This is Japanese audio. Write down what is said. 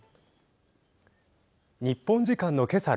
日本時間のけさ